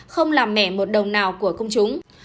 không làm mẻ một đồng nào của công chúng